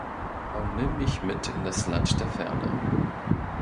Oh, nimm mich mit in das Land der Ferne.